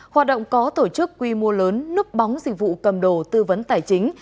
hoạt động có tổ chức quy mô lớn núp bóng dịch vụ cầm đồ tư vấn tài chính